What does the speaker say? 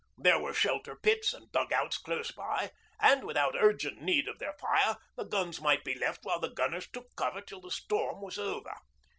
There were shelter pits and dug outs close by, and, without urgent need of their fire, the guns might be left while the gunners took cover till the storm was over.